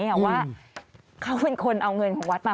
แต่ว่าเขาเป็นคนเอาเงินของวัดมา